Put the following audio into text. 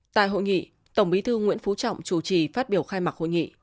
tại hội nghị tổng bí thư nguyễn phú trọng chủ trì phát biểu khai mạc hội nghị